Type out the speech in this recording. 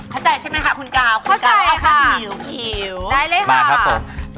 เข้าใจใช่ไหมค่ะคุณกาวคุณกาวเข้าใจค่ะขิวขิวได้เลยค่ะมาครับผม